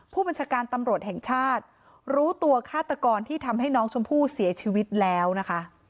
ผู้บัญชาการตำรวจแห่งชาติรู้ตัวฆาตกรที่ทำให้น้องชมพู่เสียชีวิตแล้วนะคะ